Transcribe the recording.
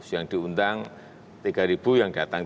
yang diundang tiga yang datang tiga lima ratus